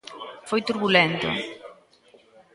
Foi turbulento.